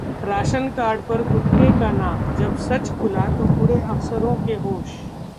Ration card पर कुत्ते का नाम! जब सच खुला तो उड़े अफसरों के होश